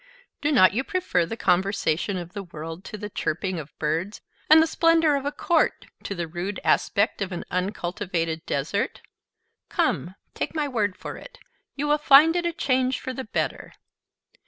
Do not you prefer the conversation of the world to the chirping of birds, and the splendor of a court to the rude aspect of an uncultivated desert? Come, take my word for it, you will find it a change for the better.